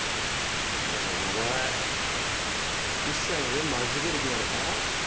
まさかお前１歳のも預ける気なのか？